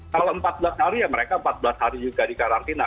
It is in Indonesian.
kalau empat belas hari mereka empat belas hari juga dikarantina